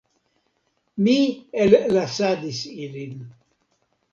Mi ellasadis ilin.